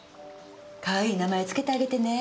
可愛い名前付けてあげてね。